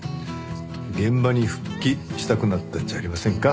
現場に復帰したくなったんじゃありませんか？